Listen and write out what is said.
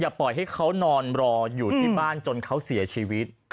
ปล่อยให้เขานอนรออยู่ที่บ้านจนเขาเสียชีวิต